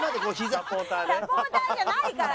サポーターじゃないから！